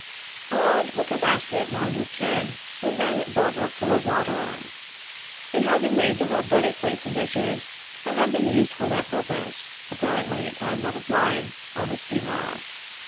A large wicker basket, lined with tin, was then brought up full of water. It had been made to hold dirty plates and dishes, and had been used for that purpose, apparently, time out of mind, on the steamer.